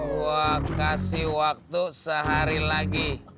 wah kasih waktu sehari lagi